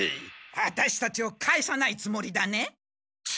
アタシたちを帰さないつもりだね。